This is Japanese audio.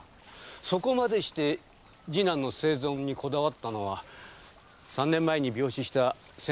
そこまでして次男の生存にこだわったのは３年前に病死した先代社長